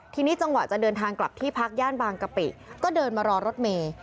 ทีนี้จังหวะจะเดินทางกลับที่พักย่านบางกะปิก็เดินมารอรถเมย์